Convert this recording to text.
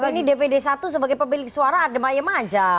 tapi ini dpd satu sebagai pemilik suara ada mayem saja